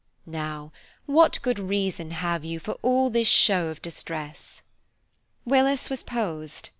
Now, what good reason have you for all this show of distress?" Willis was posed.